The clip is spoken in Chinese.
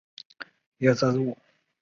大湖神庙的历史年代为唐代。